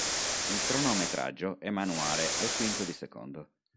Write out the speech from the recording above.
Il cronometraggio è manuale al quinto di secondo.